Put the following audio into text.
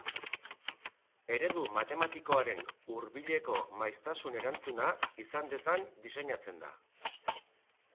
Eredu matematikoaren hurbileko maiztasun-erantzuna izan dezan diseinatzen da.